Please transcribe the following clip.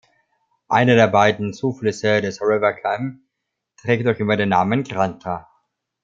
Einer der beiden Zuflüsse des River Cam trägt noch immer den Namen Granta.